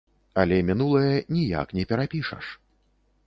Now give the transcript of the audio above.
Але мінулае ніяк не перапішаш.